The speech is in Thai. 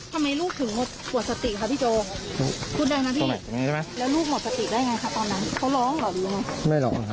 หรือว่าเขาตามหาแม่แนน